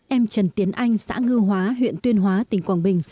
em trần tiến anh xã ngư hóa huyện tuyên hóa tỉnh quảng bình